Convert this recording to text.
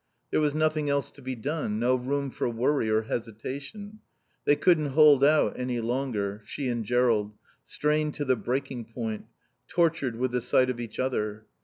There was nothing else to be done, no room for worry or hesitation. They couldn't hold out any longer, she and Jerrold, strained to the breaking point, tortured with the sight of each other.